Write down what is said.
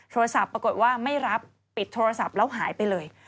ปรากฏว่าไม่รับปิดโทรศัพท์แล้วหายไปเลย